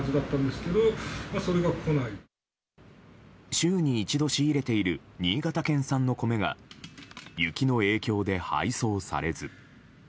週に一度、仕入れている新潟県産の米が雪の影響で配送されず。